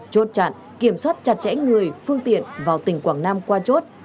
chốt chặn kiểm soát chặt chẽ người phương tiện vào tỉnh quảng nam qua chốt